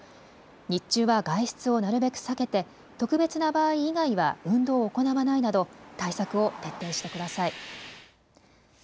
日中は外出をなるべく避けて特別な場合以外は運動を行わないなど対策を徹底してください。